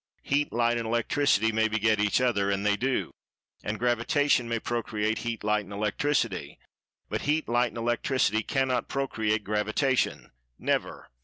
Heat, Light and Electricity may beget each other (and they do).[Pg 166] And Gravitation may procreate Heat, Light and Electricity. But Heat, Light and Electricity cannot procreate Gravitation—Never!